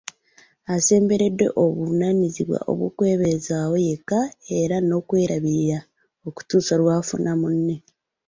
Asemberedde obuvunaanyizibwa obw'okwebeezaawo yekka era n'okwerabirira okutuusa lw'afuna munne.